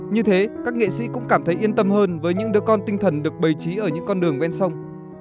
như thế các nghệ sĩ cũng cảm thấy yên tâm hơn với những đứa con tinh thần được bày trí ở những con đường ven sông